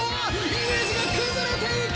イメージが崩れていく！